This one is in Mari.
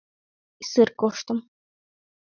— Исыр коштым.